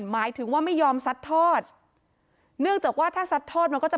หมายถึงว่าไม่ยอมซัดทอดเนื่องจากว่าถ้าซัดทอดมันก็จะ